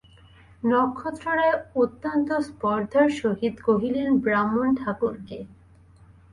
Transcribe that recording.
নক্ষত্ররায় অত্যন্ত স্পর্ধার সহিত কহিলেন, ব্রাহ্মণ-ঠাকুর কে!